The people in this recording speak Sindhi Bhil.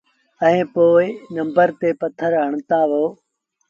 ائيٚݩ پو نمبر تي پٿر هڻتآ وهو۔